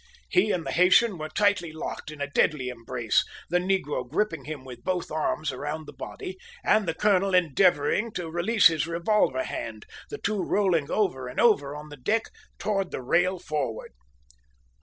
He and the Haytian were tightly locked in a deadly embrace, the negro gripping him with both arms round the body, and the colonel endeavouring to release his revolver hand, the two rolling over and over on the deck towards the rail forward.